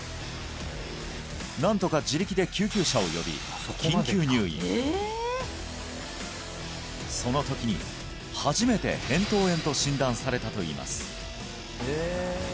なんとか自力で救急車を呼びそのときに初めて扁桃炎と診断されたといいます